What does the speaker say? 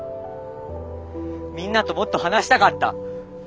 みんなともっと話したかった。